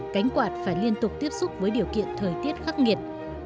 cánh quạt phải liên tục tiếp xúc với điều kiện thời tiết khắc nghiệt